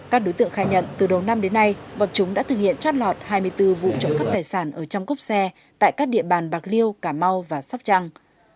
các đối tượng khai nhận từ đầu năm đến nay bọn chúng đã thực hiện trót lọt hai mươi bốn vụ trộm cắp tài sản ở trong cốc xe tại các địa bàn bạc liêu cà mau và sóc trăng